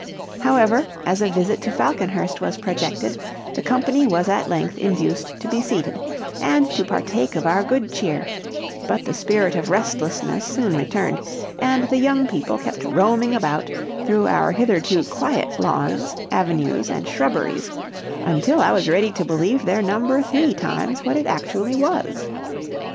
However, as a visit to Falconhurst was projected, the company was at length induced to be seated, and to partake of our good cheer, but the spirit of restlessness soon returned, and the young people kept roaming about through our hitherto quiet lawns, avenues, and shrubberies, until I was ready to believe their number three times what it actually was.